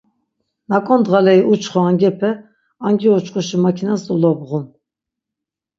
Nak̆o ndğaneri uçxu angepe, angi oçxuşi makinas dolobğun.